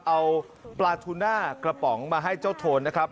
เอาปลาทูน่ากระป๋องมาให้เจ้าโทนนะครับ